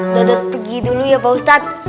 nutut pergi dulu ya pak ustadz